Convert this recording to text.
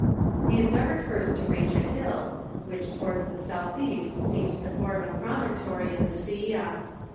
We endeavoured first to reach a hill, which towards the south east seems to form a promontory of the Silla.